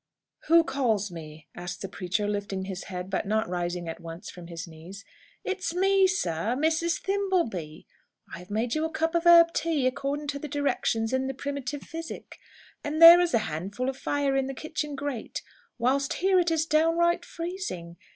"Who calls me?" asked the preacher, lifting his head, but not rising at once from his knees. "It's me, sir; Mrs. Thimbleby. I have made you a cup of herb tea accordin' to the directions in the Primitive Physic, and there is a handful of fire in the kitchen grate, whilst here it is downright freezing.